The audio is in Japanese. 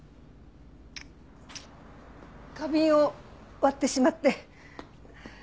花瓶を割ってしまって。